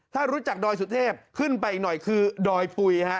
ถ้ารู้จักดอยสุเทพขึ้นไปอีกหน่อยคือดอยปุ๋ยฮะ